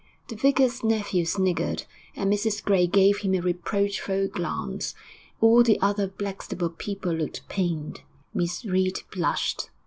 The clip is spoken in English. The vicar's nephew sniggered, and Mrs Gray gave him a reproachful glance; all the other Blackstable people looked pained; Miss Reed blushed.